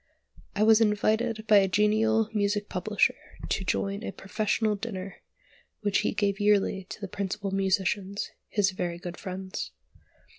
I was invited by a genial music publisher to join a "professional dinner" which he gave yearly to the principal musicians, his very good friends.